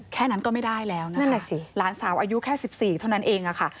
แค่นั้นก็ไม่ได้แล้วนะนั่นน่ะสิหลานสาวอายุแค่๑๔เท่านั้นเองค่ะ